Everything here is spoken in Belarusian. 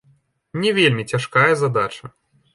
Не вельмі цяжкая задача.